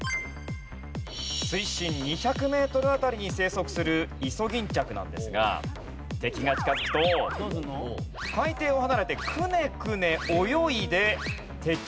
水深２００メートル辺りに生息するイソギンチャクなんですが敵が近づくと海底を離れてクネクネ泳いで敵から離れるんです。